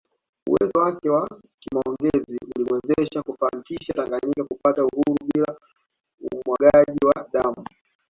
Uwezo wake wa kimaongezi ulimwezesha kufanikisha Tanganyika kupata uhuru bila umwagaji wa damu